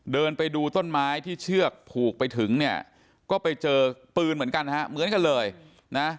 เดินไปดูต้นไม้ที่เชือกผูกไปถึงเนี่ยก็ไปเจอปืนเหมือนกันฮะเหมือนกันเลยนะ